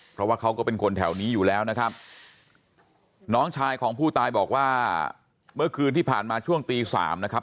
เพราะว่าเขาก็เป็นคนแถวนี้อยู่แล้วนะครับน้องชายของผู้ตายบอกว่าเมื่อคืนที่ผ่านมาช่วงตีสามนะครับ